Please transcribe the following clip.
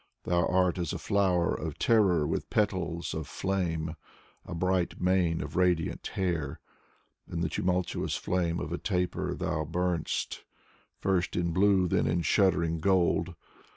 Thou art as a flower of terror with petals of flame, A bright mane of radiant hair. In the tremulous flame of a taper thou burn'st First in blue, then in shuddering gold.